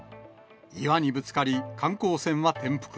岩にぶつかり、観光船は転覆。